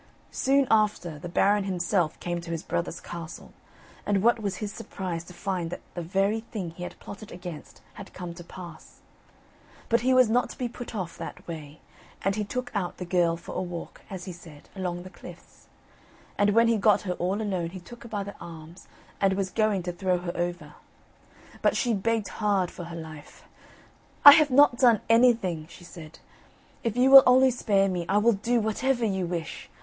Soon after, the Baron himself came to his brother's castle, and what was his surprise to find that the very thing he had plotted against had come to pass. But he was not to be put off that way; and he took out the girl for a walk, as he said, along the cliffs. And when he got her all alone, he took her by the arms, and was going to throw her over. But she begged hard for her life. "I have not done anything," she said: "if you will only spare me, I will do whatever you wish.